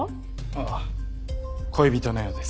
ああ恋人のようです。